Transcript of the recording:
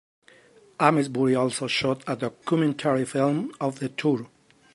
Amesbury also shot a documentary film of the tour.